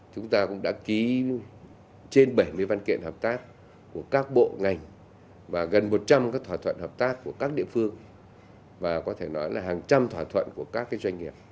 chúng ta cũng đã ký trên bảy mươi văn kiện hợp tác của các bộ ngành và gần một trăm linh thỏa thuận hợp tác của các địa phương và có thể nói là hàng trăm thỏa thuận của các doanh nghiệp